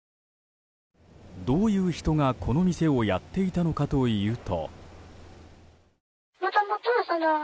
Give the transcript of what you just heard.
どういう人が、この店をやっていたのかというと。